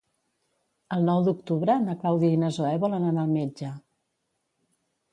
El nou d'octubre na Clàudia i na Zoè volen anar al metge.